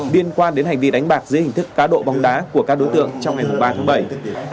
liên quan đến hành vi đánh bạc dưới hình thức cá độ bóng đá của các đối tượng trong ngày ba tháng bảy